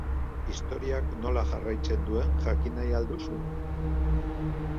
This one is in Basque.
Istorioak nola jarraitzen duen jakin nahi al duzu?